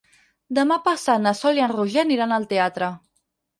Demà passat na Sol i en Roger aniran al teatre.